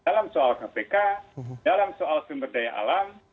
dalam soal kpk dalam soal kemberdayaan alam